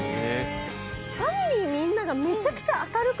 ファミリーみんながめちゃくちゃ明るくないですか？